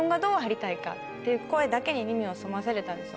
っていう声だけに耳を澄ませれたんですよ。